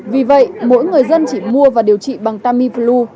vì vậy mỗi người dân chỉ mua và điều trị bằng tamiflu